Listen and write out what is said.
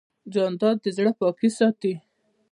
جانداد د زړه پاکي ساتي.